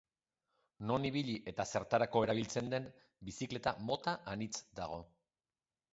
Non ibili eta zertarako erabiltzen den, bizikleta mota anitz dago.